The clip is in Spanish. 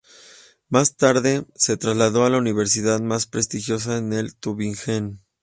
Más tarde se trasladó a la universidad más prestigiosa en el Tübingen.